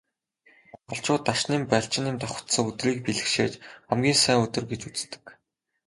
Монголчууд Дашням, Балжинням давхацсан өдрийг бэлгэшээж хамгийн сайн өдөр гэж үздэг.